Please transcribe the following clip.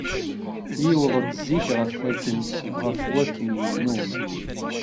Yuweḍ-d zik ɣef wakken yennum.